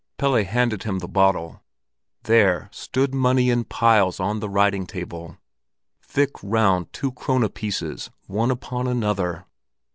Pelle handed him the bottle—there stood money in piles on the writing table, thick round two krone pieces one upon another!